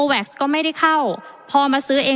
ประเทศอื่นซื้อในราคาประเทศอื่น